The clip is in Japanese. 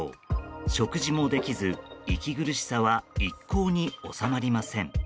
食事もできず、息苦しさは一向に収まりません。